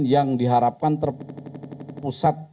yang diharapkan terpusat